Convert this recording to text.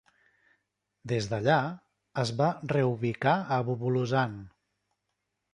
Des d'allà, es va reubicar a Bubulusan.